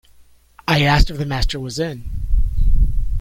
I asked if the master was in?